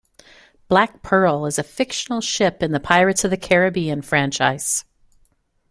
Black Pearl is a fictional ship in the "Pirates of the Caribbean" franchise.